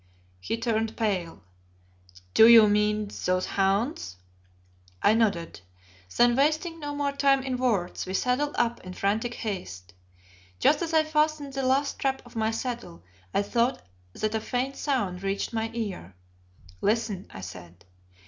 He turned pale. "Do you mean those hounds?" I nodded. Then wasting no more time in words, we saddled up in frantic haste. Just as I fastened the last strap of my saddle I thought that a faint sound reached my ear. "Listen," I said.